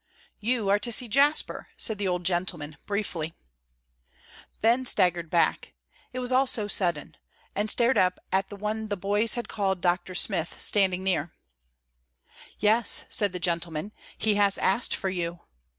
"You are to see Jasper," said the old gentleman, briefly. Ben staggered back, it was all so sudden, and stared up at the one the boys had called "Dr. Smith" standing near. "Yes," said the gentleman, "he has asked for you."